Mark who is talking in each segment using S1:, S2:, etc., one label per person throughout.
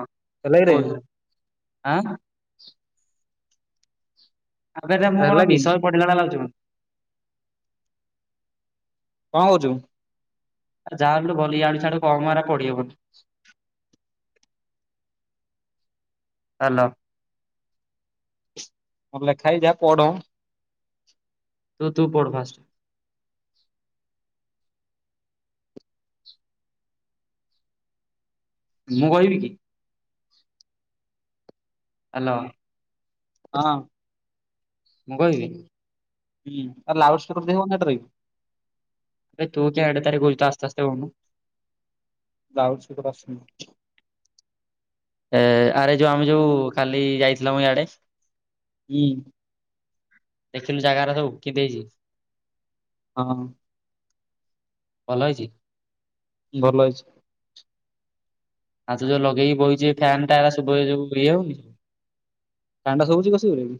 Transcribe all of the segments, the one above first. S1: ଅହ
S2: ହେଲା କିରେ
S1: [unintelligible] ଆଁ। ଆବେ ଏଇଟା ମୁଁ କଣ
S2: ହେଲା କି
S1: ବିଷୟ ପଢିଲା ଭଳିଆ ଲାଗୁଚି ମୁଁ।
S2: କଣ କୋଉଚୁ।
S1: ଯାହା ଆଣଲୁ ଗଲି ଆଡୁ ଛାଡୁ କମ ହେରା ପଢି ହବନି। ହାଲୋ।
S2: ମୋର ଲେଖା ହେଇଚି ଯାହା ପଢ।
S1: ତୁ ତୁ ପଢ ଫାଷ୍ଟ। ମୁଁ କହିବି କି? ହାଲୋ।
S2: ହଁ।
S1: ମୁଁ କହିବି।
S2: ହୁଁ ଆ ଲାଉଡସପିକର ଦେଇ ହବନା ଏଇଟାରେ।
S1: ଇବେ ତୁ [unintelligible] ଆସ୍ତେ ଆସ୍ତେ ହୋଉନୁ।
S2: ଲାଉଡସପିକର ଆସୁନି।
S1: ଏ ଆରେ ଯୋଉ ଆମେ ଯୋଉ କାଲି ଯାଇଥିଲେ ମ ଇଆଡେ।
S2: ହୁଁ।
S1: ଦେଖିଲୁ ଜାଗାଉରା ସବୁ କିଏ ଦେଇଚି।
S2: ହଁ।
S1: ଭଲ ହେଇଚି।
S2: ଭଲ ହେଇଛି।
S1: ଆଉ ତୁ ଯୋଉ ଲଗେଇକି ବଇଚି ଫ୳୲ନଟା ଶୁଭା ଯୋଉ ଇଏ ହବକି।
S2: ଫ୳୲ନଟା ସବୁଚି [unintelligible]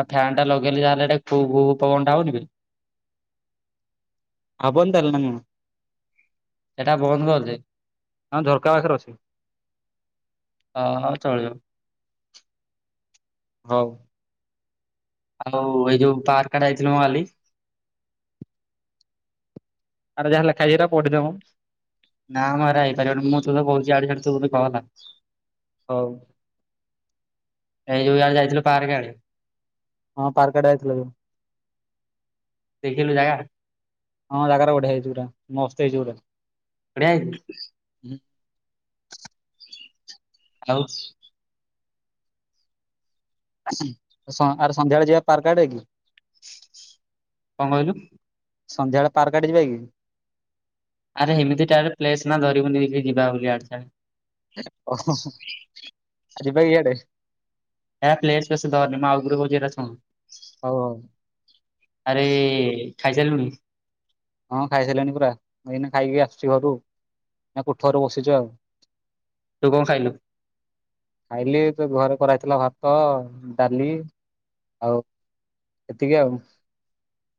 S1: ଆଉ ଫ୍ୟାନ୍ ଟା ଲଗେଇଲେ ଯାହେଲେ ଫୁ ଫୁ ପବନଟା ହବ ଟିକେ।
S2: ହବନି ତାହେଲେ ନା କଣ?
S1: ହେଟା ବନ୍ଦ କରିଦେ
S2: କଣ ହଁ ଝରକା ପାଖରେ ଅଛି
S1: ହଁ ଚଳିବ।
S2: ହଉ।
S1: ଆଉ ଏଇ ଯୋଉ ପାର୍କ ଆଡେ ଯାଇଥିଲୁ ମ କାଲି।
S2: ଆରେ ଯାହା ଲେଖା ହେଇଚି ପଢିଦେମ।
S1: ନାମ ହେରା ହେଇପାରିବନି ମୁଁ ତତେ କହୁଚି ଆଡେ ସାଡେ ତୁ [unintelligible] କହ କଥା।
S2: ହଉ।
S1: ଏଇ ଯୋଉ ଯା ଯାଇଥିଲୁ ପାର୍କ ଆଡେ।
S2: ହଁ ପାର୍କ ଆଡେ ଯାଇଥିଲ ଯୋଉ
S1: ଦେଖିଲୁ ଜାଗା।
S2: ହଁ ଜାଗାରା ବଢିଆ ହେଇଚି ପୁରା ମସ୍ତ ହେଇଚି ପୁରା।
S1: ବଢିଆ ହେଇଚି। [unintelligible]
S2: ଆହୁଁ ସ ଆରେ ସନ୍ଧ୍ୟାବେଳେ ଯିବା ପାର୍କ ଆଡେ କି?
S1: କଣ କହିଲୁ?
S2: ସନ୍ଧ୍ୟାବେଳେ ପାର୍କ ଆଡେ ଯିବା କି?
S1: ଆରେ ଏମିତି ଟା ପ୍ଲେସ ନା ଧରିବୁନିକି ଯିବା ବୋଲି ଆଡେ ସାଡେ।
S2: ଓହୋ ହୋ ଆଉ ଯିବା ଇଆଡେ।
S1: ନା ପ୍ଲେଶ୍ ବେସି ଧରନି ମୁ ଆଉଥରେ କୋହୁଚି ହେଟା ଶୁଣୁ।
S2: ହଉ ହଉ।
S1: ଆରେ ଖାଇ ସାରିଲୁଣି?
S2: ହଁ ଖାଇ ସାରିଲିଣି ପରା ଏଇନା ଖାଇକି ଆସୁଚି ଘରୁ। ଏଇନା କୋଠଘର ବସିଚି ଆଉ।
S1: ତୁ କଣ ଖାଇଲୁ?
S2: ଖାଇଲି ତଘରେ କରାହେଇଥିଲା ଭାତ ଡ଼ାଲି ଆଉ ଏତିକି ଆଉ।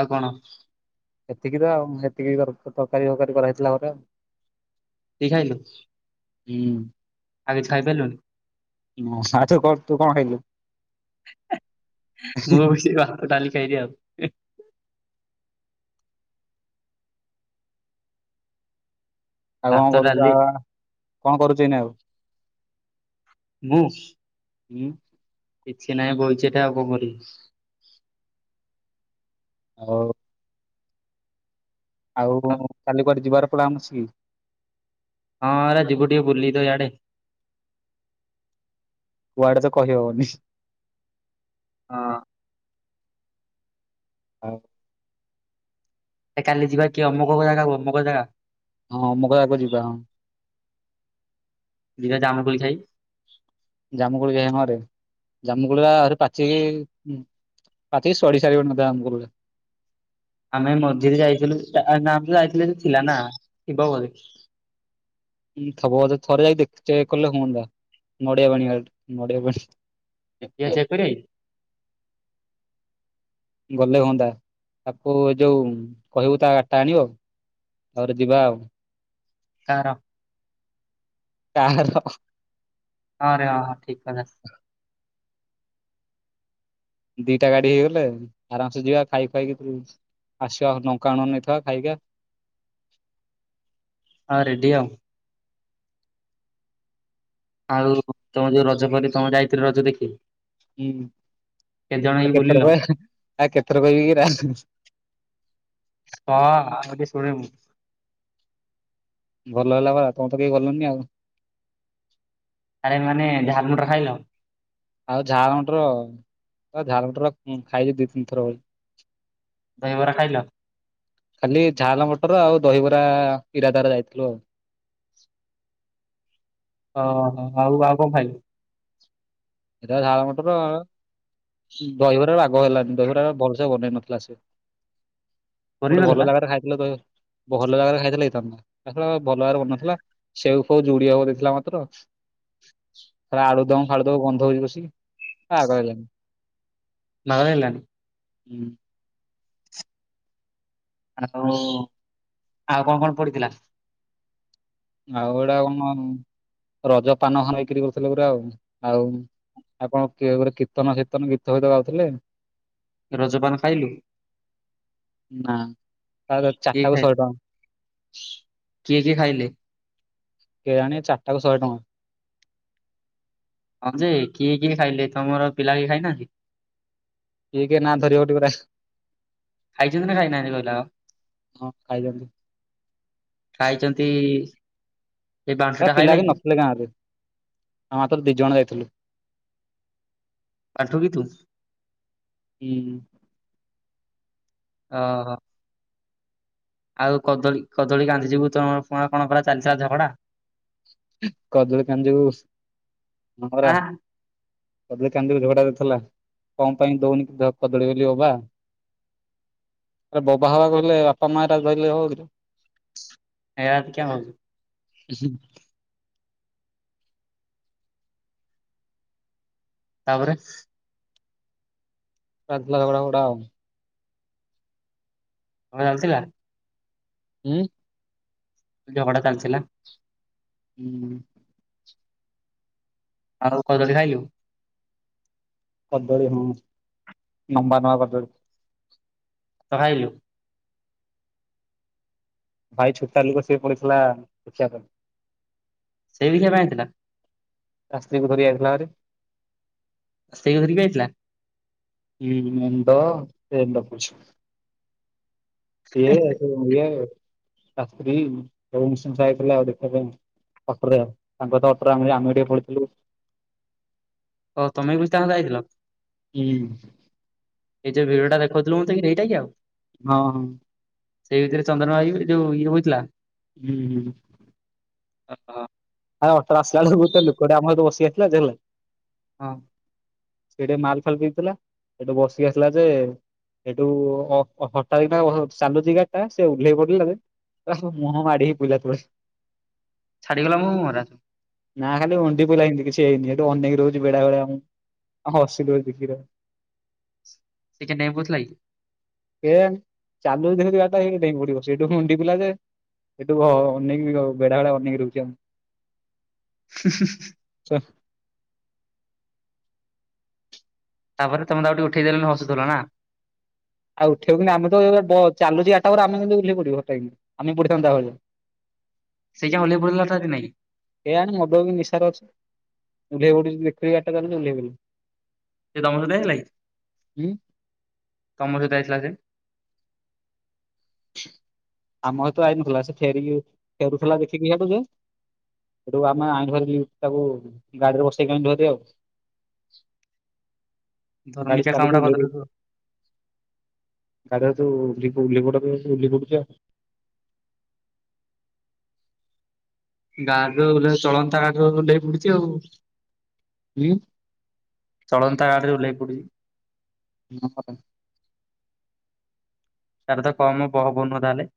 S1: ଆଉ କଣ?
S2: ଏତିକିତ ଆଉ ଏତିକି ତରକାରୀ ଫରକାରୀ କରାେଇଥିଲା ଘରେ।
S1: ଏତିକି ଖାଇଲୁ?
S2: ହୁଁ।
S1: ଆଉ କିଛି ଖାଇପାରିଲୁନି?
S2: ଓ ସାହାଯ୍ୟ କର ତୁ କଣ ଖାଇଲୁ?
S1: ମୁବି ସେଇ ଭାତ ଡ଼ାଲି ଖାଇଚି ଆଉ।
S2: ଆଉ କଣ
S1: ଭାତ
S2: କରୁଚୁ
S1: ଡାଲି
S2: ଆଉ କଣ କରୁଚୁ ଏଇନା ଆଉ?
S1: ମୁଁ।
S2: ହୁଁ।
S1: କିଛି ନାହିଁ ବାଇଚି ଏଠା ଆଉ କଣ କରିବି।
S2: ଆଉ। ଆଉ କାଲି କୁଆଡ଼େ ଯିବାର ପ୍ଲାନ୍ ଅଛି କି?
S1: ହଁ ହେରା ଯିବୁ ଟିକେ ବୁଲିତ ଇଆଡ଼େ।
S2: କୁଆଡ଼େତ କହିହବନି।
S1: ହଁ।
S2: ଆଉ।
S1: ଏକାଲି ଯିବାକି ଅମକ ଜାଗାକୁ ଅମକ ଜାଗା।
S2: ହଁ ଅମକ ଜାଗାକୁ ଯିବା ହଁ।
S1: ଯିବା ଜାମୁକୋଳି ଖାଇ?
S2: ଜାମୁକୁୁଳି ଖାଇ ହଁରେ ଜାମୁକୋଳିପା ଆହୁରି ପାଚିକି ପାଚିକି ଶଢ଼ୀ ସାରିବଣି ବୋଧେ [unintelligible]
S1: ଆମେ ମଝିରେ ଯାଇଥିଲୁ ନା ଆମେଯୋ ଯାଇଥିଲେ ସେଥିଲାନା ଥିବ ବୋଧେ।
S2: ହଁ ଥବ ବଧେ ଥରେ ଯାଇକି ଦେଖ ଚେକ୍ କଲେ ହୁଅନ୍ତା ନଡ଼ିଆ ପାଣି ନଡ଼ିଆ ବାଡ଼ି।
S1: ଇଏ ଚେକ୍
S2: [unintelligible]
S1: [inaudible]
S2: ଗଲେ ହୁଅନ୍ତା ତାକୁ ଏଯୋଉ କହିବୁ ତାଗାଡ଼ିଟା ଆଣିବ ତାପରେ ଯିବା ଆଉ।
S1: କାହାର?
S2: କାହାର?
S1: ହଁ ରେ ହଁ ହଁ ଠିକ୍ କଥା।
S2: ଦିଟା ଗାଡ଼ି ହେଇଗଲେ ଆରାମସେ ଯିବା ଖାଇ ଖାଇକି ଆସିବା ଲଙ୍କା ଲୁଣ ନେଇଥିବା ଖାଇବା
S1: ଆଁ ରେଡି ଆଉ। ଆଉ ତମ ଯୋଉ ରଜ ପରି ତମେ ଯାଇଥିଲ ରଜ ଦେଖି।
S2: ହୁଁ
S1: କେତେ ଜଣ
S2: ଆ
S1: ହେଇକି ବୁଲିଲ
S2: କେଥରକ ଆ କେଥର କହିବିକି ଏରା ହୁ ହୁ।
S1: ହଁ ଆଉ ଟିକେ ଶୁଣେ ମୁଁ।
S2: ଭଲ ହେଲାପା ତମେତ କେହି ଗଲନି ଆଉ।
S1: ଆରେ ମାନେ ଝାଲ୍ ମଟର ଖାଇଲ?
S2: ଆଉ ଝାଲ ମଟର ଅ ଝାଲ ମଟର ଖାଇଛି ଦି ତିନି ଥର ଭଳି
S1: ଦହିବରା ଖାଇଲ?
S2: ଖାଲି ଝାଲ ମଟର ଆଉ ଦହିବରା ଇରାଦାରେ ଯାଇଥିଲୁ ଆଉ।
S1: ଓହୋ ଆଉ ଆଉ କଣ ଖାଇଲ?
S2: ଏଟ ଝାଳ ମଟର ଦହିବରା ବାଗ ହେଲାନି ଦହିବରା ଭଲ ବନେଇ ନଥିଲା ସେ ଗୋଟେ
S1: ପନିର
S2: ଭଲ
S1: ନଥିଲା
S2: ଜାଗାରେ ଖାଇ ଦ ଭଲ ଜାଗାରେ ଖାଇଥିଲେ ହେଇଥାନ୍ତା ତାଛଡା ଭଲ ଜାଗାରେ ବନିନଥିଲ। ସେଉ ଫେଉ ଯୁଡି ହବ ଦେଇଥିଲା ମାତ୍ର ଆଳୁଦମ ଫାଳୁଦମ ଧ ବସିକି ଆ ବାଗ ହେଲାନି
S1: ବାଗ ହେଲାନି।
S2: ହୁଁ।
S1: ଆଉ ସବୁ ଆଉ କଣ କଣ ପଡିଥିଲା?
S2: ଆଉ ଏଇଟା କଣ ରଜ ପାନ ବନେଇକରି କରୁଥିଲେ ପୁରା ଆଉ ଆଉ। ଆଉ କଣ କୀର୍ତ୍ତନ ଫିର୍ତନ ଗୀତ ଫିତ ଗାଉଥିଲେ।
S1: ରଜପାନ ଖାଇଲୁ?
S2: ନା ତା
S1: କିଏ
S2: ଚାରିଟାକୁ
S1: ଖାଇ
S2: ଶହେ ଟଙ୍କା
S1: କିଏ କିଏ ଖାଇଲେ?
S2: କେଜାଣୀ ଚାରିଟାକୁ ଶହେ ଟଙ୍କା।
S1: ହଁ ଯେ କିଏ କିଏ ଖାଇଲେ ତମର ପିଲା କିଏ ଖାଇନାହାନ୍ତି?
S2: କିଏ କିଏ ନାଁ ଧରିିବଟି ପରା
S1: ଖାଇଛନ୍ତି ନା ଖାଇନାହାନ୍ତି କହିଲା ଆଉ
S2: ହଁ ଖାଇଛନ୍ତି।
S1: ଖାଇଛନ୍ତି ଏଇ
S2: ଆ
S1: ବାଉଁଶଟା
S2: ପିଲା
S1: ଖାଇଲା
S2: କି ନଥିଲେ ଗାଁରେ ଆ ମାତ୍ର ଦି ଜଣ ଯାଇଥିଲୁ
S1: ଆଣ୍ଠୁ କି ତୁ
S2: ହୁଁ
S1: ଓ ହୋ ଆଉ କଦଳୀ କଦଳୀ ଗାନ୍ଧୀ ଯିବୁ ତମ କଣ ପରା ଚାଲିଥିଲା ଝଗଡା
S2: କଦଳ କାଞଜିବୁ ହଁ ପରା
S1: ଆଁ
S2: କଦଳୀ କାନ୍ଦିବି ଝଗଡା କରୁଥିଲା କଣ ପାଇଁ ଦଉନି କଦଳୀ ବୋଲି ବୋବା ଆରେ ବବା ହେବା କହିଲେ ବାପା ମାଆଟା ଧରିଲେ ହେବ କି ରେ
S1: ଏା ତ କା ହଉଛୁ
S2: ହୁଁ
S1: ତାପରେ
S2: [unintelligible]
S1: ଣ ଚାଲିଥିଲା
S2: ହୁଁ
S1: ଝଗଡ଼ା ଚାଲିଥିଲା
S2: ହୁଁ
S1: ଆଉ କଦଳୀ ଖାଇଲୁ
S2: କଦଳିୀ ହଁ ଲମ୍ବା ନବା କଦଳୀ
S1: ତ ଖାଇଲୁ
S2: ଭାଇ ଛୁଟା ଲୋକ ସିଏ ପୁଣି ଥିଲା ଦେଖିବା ପାଇଁ
S1: ସେ ବି ଖ୍ୟା ପାଇଁ ଆଇଥିଲା
S2: ତା ସ୍ତ୍ରୀ କୁ ଧରି ଆଇଥିଲା ହେରି
S1: ସେଇକୁ ଧରିକି ଆସିଥିଲା
S2: ହୁଁ ମୁଣ୍ଡ ଏମ ଡାକୁଛି। ଇଏହେଠୁ ଇଏ ତା ସ୍ତି ସବୁ ମିଶି ମିଶାକି କହିଲେ ଆଉ ଦେଖିବା ପାଇଁ। ଅଟରେ ଆଉ ତାଙ୍କର ତ ଅଟରେ ଆମେ ଟିକେ ପଢ଼ିଥିଲୁ।
S1: ହଁ ତମେବି ତାହେନେ ଯାଇଥିଲ?
S2: ହୁଁ।
S1: ଏ ଯୋଉ ଭିଡିଓ ଟା ଦେଖଉଥିଲୁ ମତେ କିରେ ହେଇଟାକି ଆଉ?
S2: ହଁ ହଁ।
S1: ସେଇ ଭିତରେ ଚନ୍ଦନ ଭାଇ ଯୋଉ ଇଏ ହଉଥିଲା।
S2: ହୁଁ ହୁଁ।
S1: ଅ ହ।
S2: ଆରେ ଅଟ ଆସିଲାଏଳୁକୁ ଗୁଟେ ଲୁକଟେ ଆମ ସହିତ ବସିକି ଆସିଲା ଯେ
S1: ହଁ।
S2: ସେଟିକେ ମାଲ ଫାଲ ପିଇଥିଲା ସେଠୁ ବସିକି ଆସିଲା ଯେ ହେଠଉ ଅ ହଠାତ କିତା ଚାଲୁଛି ଗାଡିଟା ସେ ଉହ୍ଲେଇ ପଡିଲା ଯେ ଏରା ସବୁ ମୁହଁ ମାଡିହେଇକି ପଡିଲା ତଳେ।
S1: ଛାଡ଼ିଗ ଲା ମୁହଁ ମୁହଁରା?
S2: ନାଁ ଖାଲି ଉଣ୍ଡି ପଇଲା ଇନ୍ତି କିଛି ହେଇନି ହେଠୁ ଅନେଇକି ରହୁଛି ବେଡ଼ା ଭଳିଆ ଆମକୁ ହସିଦଉଚି କିର
S1: ସିଏ କିଆଁ ଡେଇଁ ପଡୁ ଥିଲାକି?
S2: କେଜାଣି ଚାଲୁଚି ଦେଖୁଚି ଗାଡ଼ିଟା ହେଇଠୁ ପଡିବ ସେଇଠୁ ପୁଣି ମୁୁଣ୍ଡି ପଇଲା ଯେ ହେଠୁ ହ ଅନେଇକି ବେଡ଼ାଭଳିଆ ରହୁଚି ଆମକୁ।
S1: ହିଁ ହିଁ ହିଁ।
S2: ସେ [unintelligible]
S1: ତାପରେ ତମେ ତାକୁ ଟିକେ ଉଠେଇଦେଲନି ହସୁଥିଲ ନା?
S2: ଆଉ ଉଠେଇବୁନି ଆମେ ତ ବ ଚାଲୁଚି ଗାଡ଼ିଟା ପରେ ଆମେ କେମିତି ଓଲେଇପଡ଼ିବୁ ହଟାକି ଆମେ ପଡିଥାନ୍ତୁ। [inaudible]
S1: ସେ ଯା ହଳିଇ ପଡିଲାଟନ୍ତି ନାଇଁ କି?
S2: ଏଇଆଣି ମଦ ବି ନିଶାର ଅଛି ଉ ଓ୍ଲେଇ ବୁଡୁଛି ଦେଖ ବାଟା [unintelligible]
S1: ସେ ତମ ସହିତ ଆଇଥିଲା କି?
S2: ହୁଁ
S1: ତମ ସହିତ ଆଇଥିଲା ସେ।
S2: ଆମ ସହିତ ଆଇନଥିଲା ସେ ଫେରିକି ଫେରୁଥିଲା ଦେଖିକି ହେଠୁ ଯେ ସେଠୁ ଆମେ ଆଇଲୁ ଭାରି ତାକୁ ଗାଡିରେ ବସେଇକି ଆଇଲୁ ଭାରି ଆଉ। ଗାଡ଼ି
S1: ଧର୍ମିକା
S2: ଚାଲୁଚି
S1: କାମଟା
S2: ଓହ୍ଲେଇ ଦୋଉ
S1: କରିଦେଲ
S2: ତାର ଯୋଉ [unintelligible]
S1: ଗାଡ଼ିରୁ ଉହଲେ ଚଳନ୍ତା ଗାଡିରୁ ଉଲେହି ପଡିଛି ଆଉ।
S2: ହୁଁ।
S1: ଚଳନ୍ତା କା ରେ ଓହ୍ଲ ପଡୁଛି।
S2: ହଁ [unintelligible]
S1: ତାରତ କମ୍ ବହବ ନୁହଁ ତାହେଲେ।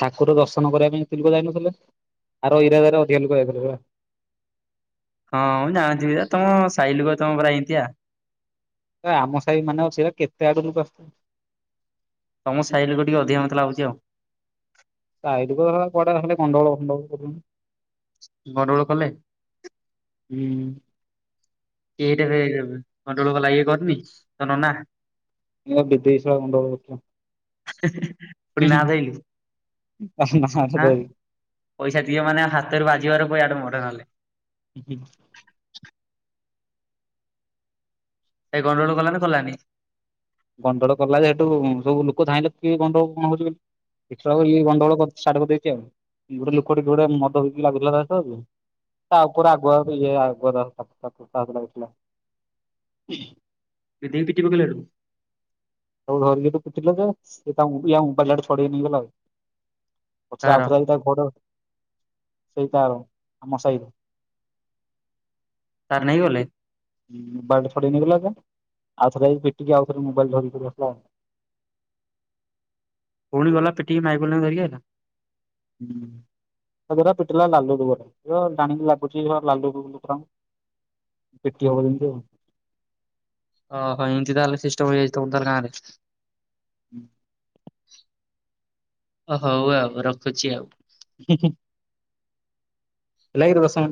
S2: ଠାକୁର ଦର୍ଶନ କରିବା ପାଇଁ ଏତେ ଲୁକ ଯାଇନଥିଲେ, ଆର ଇରାଦାରେ ଅଧିକା ଲୁକ ଯାଇଥିଲେ ପା।
S1: ହଁ ମୁଁ ଜାଣିଥିବିପା ତମ ସାଇ ଲୁକ ତମ ପରା ଏମିତିଆ।
S2: ତ ଆମ ସାହି ମାନେଅଛି ହେରା କେତେ ଆଡୁ ଲୁକ।
S1: ତମ ସାଇ ଲୁକ ଟିକେ ଅଧିକା ମତେ ଲାଗୁଛି ଆଉ।
S2: [unintelligible]
S1: ଗଣ୍ଡଗୋଳ କଲେ?
S2: ହୁଁ।
S1: କିଏହେଇଠେ ରେ ଗଣ୍ଡଗୋଳ କଲା ଇଏ କରନି ତୋ ନନା?
S2: ଏରା ବିଦେଶ ଆ [unintelligible]
S1: ହିଁ ହିଁ ହିଁ ପୁଣି ନାଁ ଧଇଲୁ, ଆଁ। ପଇସା ଦିଏ ମାନେ ହାତରୁ ବାଜିବାର ପୁଅ ଇଆଡ଼େ ମୋଠେ ନହେଲେ।
S2: ହୁଁ [unintelligible]
S1: ଏଇ ଗଣ୍ଡଗୋଳ କଲାନା କଲାନି?
S2: ଗଣ୍ଡଗୋଳ କଲାଯେ ହେଠୁ ସବୁ ଲୁକ ଧାଇଁଲେ କିଏ ଗଣ୍ଡଗୋଳ କଣ ହଉଛି ବୋଲି। ଏ ଇ ଗଣ୍ଡଗୋଳାଡ କରିଦେଇଛି ଆଉ ଗୋଟେ ଲୋକ ଟିକେ ଗୋଟେ ମଦ ହେଇକି ଲାଗୁଥିଲାବୁ। ତା ଉପରେ ଆଗୁଆ ବି ଆଗୁଆ ତାସହିତ ଥିଲା [unintelligible]
S1: ଏଇ ଦେଇ ପିଟିଲା ପକେଇଲାଡୁ।
S2: ସବୁ ଧରିକିହେଠୁ କୁଟିଲେ ଯେ ସେତା ଇଆ ମୁବାଇଲଟା ହେଠୁ ଛଡେଇ ନେଇଗଲା ଆଉ। ପଛରେ
S1: କାହାର
S2: ଆଉଥରେ ଆଇକି ତାକୁ ଘୋଡ ସେଇତାର ଆମ ସସାହିର
S1: ତାର ନେଇଗଲେ?
S2: ମୋବାଇଲ ଛାଡେଇକି ନେଇଗଲା ପା ଆଉଥରେ ପିଟିକି ଆଉଥରେ ମୋବାଇଲ ଧରିକି ବସିଲା ଆଉ।
S1: ପୁଣି ଗଲା ପିିଟିକି [unintelligible] ଧରକି ଆଇଲା।
S2: ହୁଁ। ପୁରା ପିଟିଲା ଲାଲୁ ଦୁଆରେ ଜାଣିକି ଲାଗୁଛି ଲାଲୁକୁ [unintelligible] ଟେକିହବ ଯେମିତି ଆଉ।
S1: ଓ ହୋ ଏମିତି ତାହେଲେ ସିଷ୍ଟମ୍ ହେଇାଇଛି ତାଲେ ଗାଁରେ।
S2: ହୁଁ
S1: ଓ ହଉ ଆଉ ରଖୁଛି ଆଉ?
S2: ଦେ [unintelligible] [unintelligible]